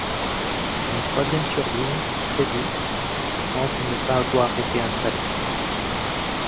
Une troisième turbine, prévue, semble ne pas avoir été installée.